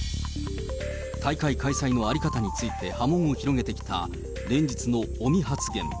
大会開催の在り方について波紋を広げてきた、連日の尾身発言。